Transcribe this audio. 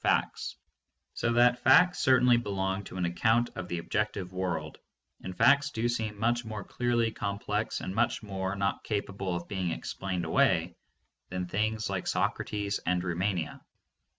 513 facts, so that facts certainly belong to an account of the objective world, and facts do seem much more clearly com plex and much more not capable of being explained away than things like Socrates and Rumania.